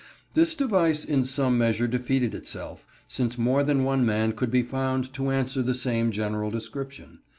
This device in some measure defeated itself—since more than one man could be found to answer the same general description.